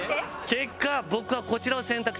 結果僕はこちらを選択します。